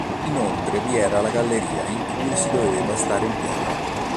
Inoltre vi era la galleria, in cui si doveva stare in piedi.